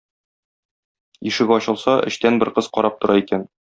Ишек ачылса, эчтән бер кыз карап тора икән.